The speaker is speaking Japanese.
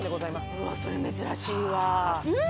うわそれ珍しいわうん！